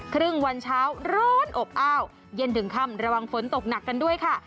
ครึ่งวันเช้าร้อนอบอ้าวเย็นถึงค่ำระวังฝนตกหนักกันด้วยค่ะ